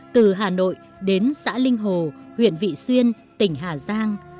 từ hà nội đến xã linh hồ huyện vị xuyên tỉnh hà giang